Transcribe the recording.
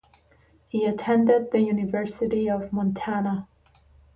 He attended the University of Montana.